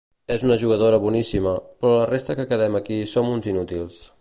És una jugadora boníssima, però la resta que quedem aquí som uns inútils.